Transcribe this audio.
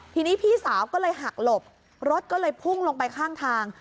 ทีนี้พี่สาวก็เลยหักหลบรถก็เลยพุ่งลงไปข้างทาง